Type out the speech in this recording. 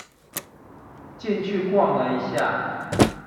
進去逛了一下